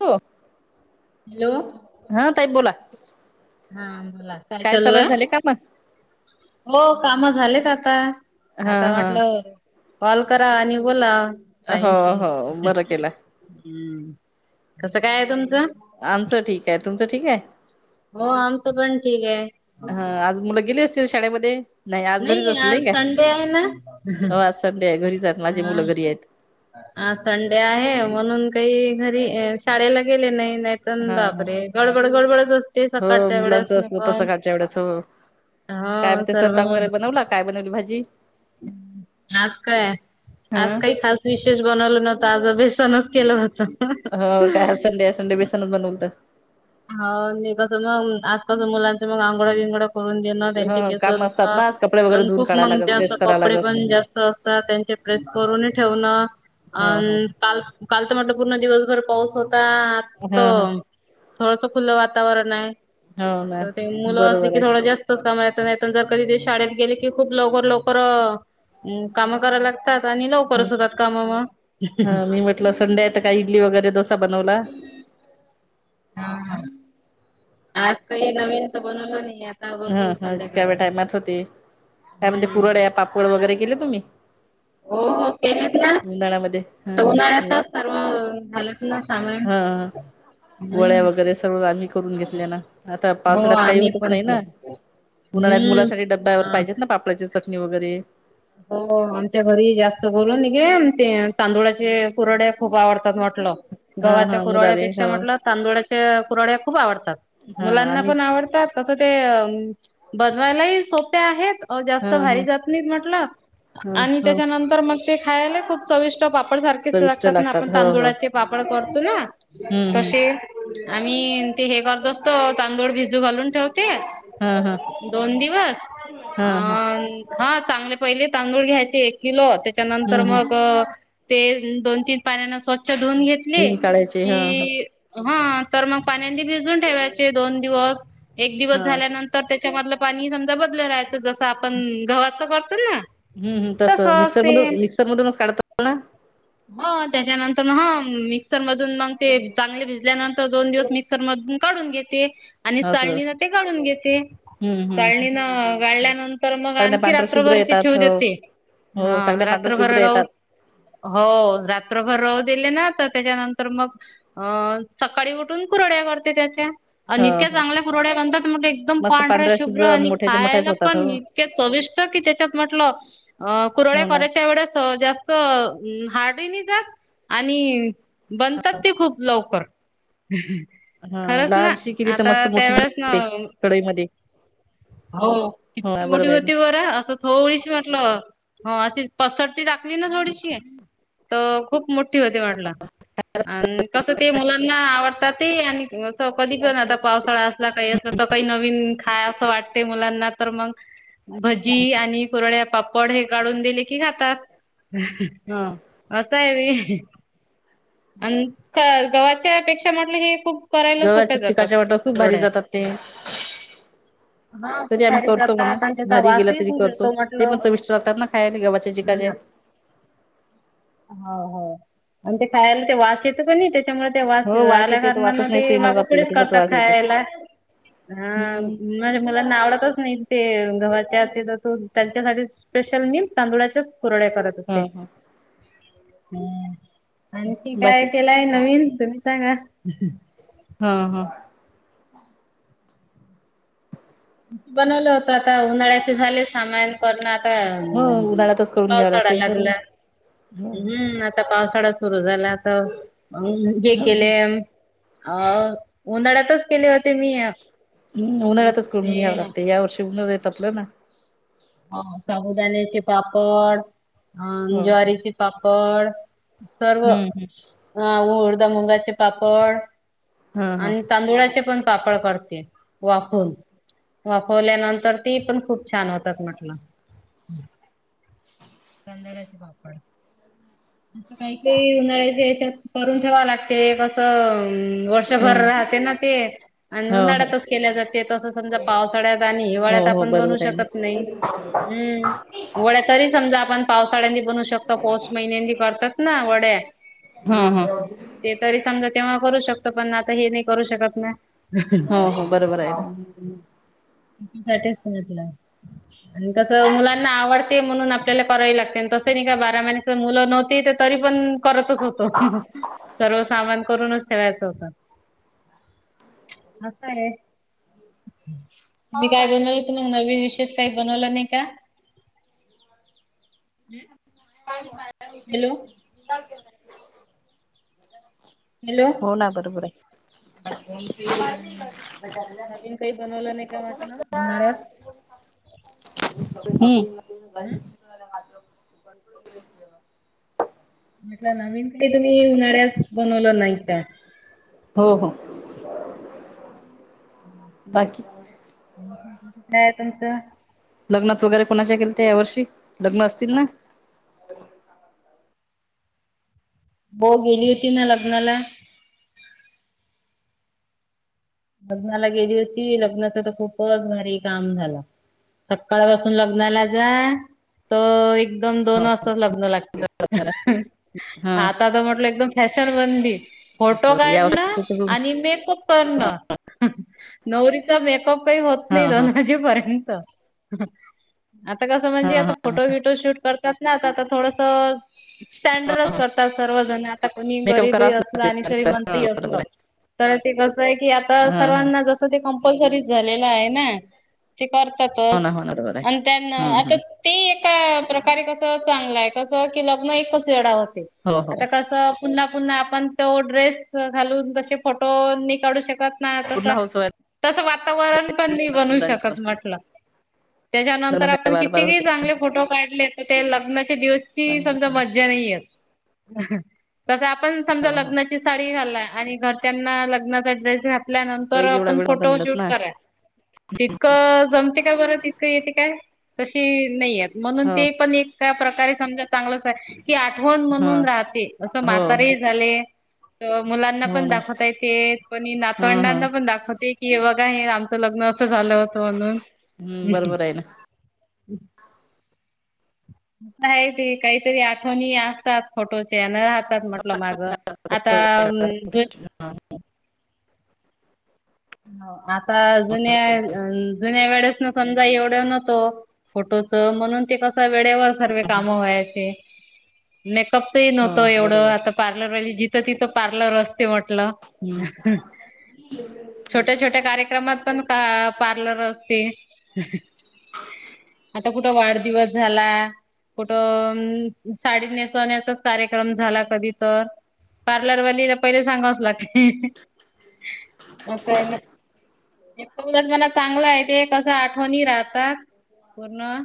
हो! हॅलो! हा ताई बोला हा बोला. काय चालू ये झाले का मग हो काम झालेत आता हां, आता हां. म्हटलं कॉल कराव आणि बोलाव. हो हो बर केला. हम्म कसं काय आहे तुमचं. आमचं ठीक ये तुमचं ठीक ये. हो आमच पण ठीक ये. हं आज मुलं गेली असतील. शाळेमध्ये नाही आज घरीच असल आज नाही का, संडे आहे ना हो आज संडे आहे घरी जा. हा माझी मुलं हा. आज संडे आहे म्हणून काही घरी शाळेला गेले नाही नाही हां, हां. बापरे! गडबड-गडबडच असते हो सकाळच्या वेळेस मुलांचं असण असलं तर पण. सकाळच्या वेळेस हो. काय हा म्हणते सर्व स्वयंपाक वगैरे बनवला? काय बनवली भाजी? आज काय, आज हं. काही खास विशेष बनवल नव्हत आजं बेसनच केलं होतं. ह काय संडे संडे बेसनत बनवोलता. हा नि कस मग आज कस मुलांना मग आंगुड-विंगड करून देणं त्यांच्या हं काम असतात केसना ना आज कपडे वगैरे आणि धुवून खूप काढायला मग लागत, जास्त प्रेस करावं कपडे लागत. पण जास्त असतात त्यांचे प्रेस करून ठेवणं. अ हं, हं. काल कालच म्हटलं पूर्ण दिवसभर पाऊस होता. हा हा. थोडस खुलं वातावरण आहे. हो ना. तर ते मुलं असली बरोबर की आहे. थोडं जास् त का नाही जर कधी ते शाळेत गेले की खूप लवकर-लवकर कामं कराय लाग त्यात आणि हं. लवकरच सुरुवात काम मग. हा [unintelligible] मी म्हटलं संडे आहे त काय इडली वगैरे डोसा बनवलाय? हा हा. आज काही नवीन तर बनवलं नाही. आता हा बघू हा संध्याकाळी तव्या टायमात होते. काय म्हण हम्म पुरळ्या, पापड वगैरे केले तुम्ही? हो हो केलेत ना. [unintelligible] णा मध्ये. ते उन्हाळ्यात [unintelligible] सर्व झालंत ना सामान, हा वड्या हम्. वगैरे सर्व आली करून घेतले ना. आता हो पावसाळ्यात काही आम्ही होतच पण नाही ना. केलं. उन्हाळ्यात हम्म. मुलासाठी डब्यावर हा. पाहिजेत ना पा ल्याची चटणी वगैरे. हो हो हो, आमच्या घरी जास्त बोलून निघे ते तांदुळाचे कुराड्या खूप आवडतात मो- [unintelligible] हा गव्हाच्या हा मुलाले कुराड्यापेक्षा हो म्हटलं तांदुळाच्या कुराड्या खूप आवडतात. हा मुलांना आम्ही पण आवडतात तसं ते अ बनवायलाही सोप्या आहेत हा जास्त हा भारी जात नाहीत म्हटलं. हा आणि हा त्याच्यानंतर मग ते खायला खूप चविष्ट पापड सारखेच चविष्ट लागतात ना आपण हो हो तांदुळाचे पापड करतो ना, हम्म हम्म तसे आम्ही ते हे करतो असतो तांदूळ भिजडू घालून ठेवते. हा हा दोन दिवस हा अ हा हा चांगले पहिले तांदूळ घ्यायचे एक किलो हम्म त्याच्यानंतर हम्म मग ते दोन-तीन पाण्या स्वच्छ धुऊन घेतले धुन काढायचे हा हा की हा तर मग पाण्यांनी भिजून ठेवायचे दोन दिवस एक दिवस हा झाल्यानं तर त्याच्यामधलं पाणी समजा बदल राहायचं जसं आपण गवचं करतो ना. ह्म्म हम् तसं तसच मिक्सर सेम मधून मिक्सर मधूनच काढतो. हा त्याच्यानंतर म हा मिक्सर मधून मग ते चांगले भिजल्यानंतर दोन दिवस मिक्सर मधून काढून घेते आणि असं चालणीन असं ते काढून घेते. हम्म हम्म चाळणी न गाळल्यानंतर मग सगळ्या आणखी पांढऱ्या शुभ्र रात्रभर ते ठेव येतात हो देते. हो हा सगळ्या पांढऱ्या रात्रभर शुभ्र राहु येतात हो रात्रभर राहू दिले ना तर त्याच्यानंतर मग अं सकाळी उठून कुरड्या करते त्याच्या. आणि हो इतक्या हो चांगल्या कुरड्या बनतात, मग एकदम मस्त पांढऱ्या शुभ्र अन आणि मोठ्याच्या मोठ्याच खायला होतात पण हो इतक्या चविष्ट की, त्याच्यात म्हटलं अ कुरड्या हो ना करायच्या एवढ्या [unintelligible] हार्ड ही नाही जात आणि बनतात ते खूप लवकर हा खरंच ना. आता त्यावेेळेस ना कढई मध्ये. हो, किती मोठी आहे ना होती बरं, असं थोडीशी म्हटलं अशी पसरती टाकली ना थोडीशी, तर खूप मोठी होती म्हटलं आणि कसं ते मुलांना आवडताते आणि कधी पण आता पावसाळा असला का [unintelligible] नवीन खाय असं वाट मुलांना तर मग भजी आणि कुरड्या, पापड हे काढून दिले की खातात. हा असंय व्हय. आण गव्हाच्या पेक्षा म्हटलं हे खूप करायला सोप्या गव्हाच्या जातात चिकाच्या वाटा खूप भारी कुरड्या. जातात ते. हां, तरी खूप आम्ही भारी करतो म्हणा. जातात आणि त्याचा भारी गेला वासही तरी खूप करतो. येतो ते पण म्हटलं. चविष्ट लागतात ना खायला. गव्हाच्या चिकाच्या. हो हो, आण ते खायला ते वास येतो क नई तेच्यामुळ हो वास येते तो वासच नाही [unintelligible] सहन होत मागे आपल्याला पुढेच खूपच करतात वास येते खायला ह हम्म म्हणजे मुलांना आवडतच नाही, ते गव्हाच्या [unintelligible] त्यांच्यासाठी स्पेशल मी तांदुळाच्याच कुरड्या करत असते हा हा. हम्म, आणखी काय बाकी केलाय नवीन तुम्ही सांगा? हा हा. बनवलं होत. आता उन्हाळ्याचे झाले सामान [unintelligible] ह हो उन्हाळ्यातच करून घ्यावं पावसाडा लागते सर्व लागला. हो हो हम्म आता पावसाडा सुरू झाला, तर हे केले. हम्म अ उन्हाडयातच केले होते मी हम्म, उन्हाळ्यातच करून ते घ्याव लागतय. या वर्षी [unintelligible] ना. ह साबुदाण्याचे पापड, अ हो हो ज्वारीचे पापड सर्व हम्म अ उडदा, मुंगाचे पापड हम्म हा हा आण तांदुळाचे पण पापड करते, वाफवून वाफवल्यानंतर ती पण खूप छान होतात म्हटलं. तांदळाचे पापड. [unintelligible] ते उन्हाळ्याच्या हेच्यात करून ठेवा लागते कसं हं वर्षभर हम्म राहते ना ते. आण हो हो उन्हाडयातच केल्या जाते. तसं समजा, पावसाडयात आणि हिवाळ्यात हो हो आपण बनवू बरोबर आहे ना शकत नाही. हम्म, वड्या तरी समजा, आपण पावसाडयांनी बनू शकतो. पौष महिन्यां करतात ना वड्या. हा अ‌ हा ते तरी समजा, तेव्हा करू शकतो. पण आता हे नाही करू शकत ना. हो हो बरोबर आहे ना [unintelligible] आणि कसं मुलांना आवडते म्हणून आपल्याला करावी लागते. तसं नाही का बारा महिने [unintelligible] मुलं न ते तरी पण करतच होतो. सर्व सामान करूनच ठेवायचं होतं. असंय. तुम्ही काय बनवलं मग, नवीन विशेष काही बनवला नाही का? हॅलो [unintelligible] हॅलो हो ना बरोबर आहे. हम्म नवीन काही बनवलं नाही का म्हटलं उन्हाळ्यात? हम्म. म्हटलं नवीन काही तुम्ही उन्हाळ्यात बनवलं नाही का? हो हो बाकी काय आहे तुमचं? लग्नात वगैरे कोणाच्या गेलत्या वर्षी लग्न असतील ना? हो गेली होती न लग्नाला. लग्नाला गेली होती लग्नात आता खूपच भारी काम झाला. सक्काळ पाासून लग्नाला जा तर एक दोन दोन वाजताच लग्न लागते, हा आता तर म्हटलं एकदम फॅशन बनली फोटो असं या वर्षी काढणं खूपच ऊन. आणि मेकअप करणं नवरीचा मेकअप काही होत हा नाही हा दोन वाजेपर्यंत. आता कसं हा म्हणजे आता हा फोटो विटो शूट करतात ना आता तर थोडस स्टँडरच करतात सर्व जना. आता कोणी मेकअप गरीब ही करावाच असलं आणि लागते श्रीमंत हा ही बरोबर असलं तर ते कसं आहे की आता हा हा सर्वांना जसं ते कंपल्सरीच झालेलं आहे ना. ते हो ना करतातच हो ना बरोबर आहे आणि त्यांना हम्म आता हम्म ते एका प्रकारे कसं चांगलं आहे कसं की लग्न एकच वेळा होते हो हो आता कसं तर पुन्हा पुन्हा आपण तो ड्रेस घालून तशे फोटो नाही काढू शकत नाय पूर्ण तसा हाऊस तस वातावरण पण नाही वाईफ बनवू मुलांची पण शकत म्हटलं लग्न त्याच्यानंतर काय आपण बार किती बार होते काही चांगले फोटो काढले ते लग्नाच्या दिवस ची चांगलं समजा आहे. मज्जा नाही येत. तसं आपण समजा हो हो लग्नाची साडी घाललाय आणि घरच्यांना लग्नाचा ड्रेस घात ल्यानंतर पहिले एवढा आपण वेळ नव्हता फोटो मिळत शूट ना कराय तितकं जमते काय बरं तितकं येते काय तशी नाही येत म्हणून हो ते पण एक त्या प्रकारे समजा चांगलंच आहे की आठवण हा म्हणून राहते जसं हो म्हातारे हो झाले तर मुलांना हो पण ना दाखवता येते कोणी नात हा हा दाखवते की हे बघा हे आमचं लग्न असं झालं होतं म्हणून. हम्म बरबर आहे न. आहे ते काहीतरी आठवणी आसतात फोटोच्या यानं राहतात म्हटलं मागं. आता अम्म ज हाव आता जुन्या अम्म जुन्या वेळेस न समजा एवढं नव्हतो फोटोच म्हणून ते कसं वेळेवर सर्वे काम व्हायचे. मेकअपच ही हो नव्हतं एवढं बरोबर आता आहे पार्लर वाली जिथं तिथं पार्लर असते म्हटलं. हम्म. छोट्या-छोट्या कार्य कारक्रमात पण का पार्लर असते. आता कुठं वाढदिवस झाला कुठं अम्म साडी नेसवण्याचाच कार्यक्रम झाला कधी तर पार्लर वालीला पहिले सांगावच लागते. मग काय न. एक तो उलटम्हणा चांगलं आहे ते कसं आठवणी राहतात पूर्ण.